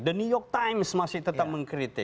the new york times masih tetap mengkritik